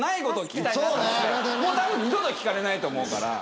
二度と聞かれないと思うから。